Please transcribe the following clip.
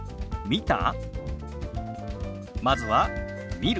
「見た？」。